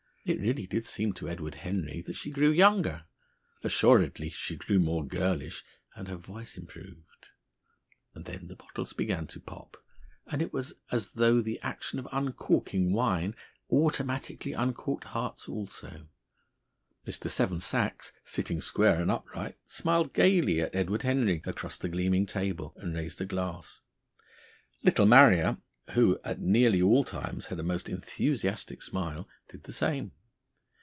It really did seem to Edward Henry that she grew younger. Assuredly she grew more girlish, and her voice improved. And then the bottles began to pop, and it was as though the action of uncorking wine automatically uncorked hearts also. Mr. Seven Sachs, sitting square and upright, smiled gaily at Edward Henry across the gleaming table, and raised a glass. Little Marrier, who at nearly all times had a most enthusiastic smile, did the same.